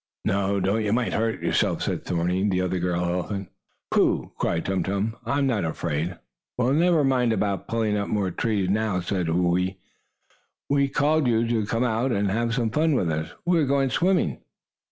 "No, don't. You might hurt yourself," said Thorny, the other girl elephant. "Pooh!" cried Tum Tum. "I'm not afraid!" "Well, never mind about pulling up more trees now," said Whoo ee. "We called you to come out, and have some fun with us. We are going swimming."